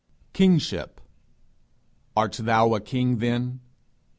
KINGSHIP. _Art thou a king then?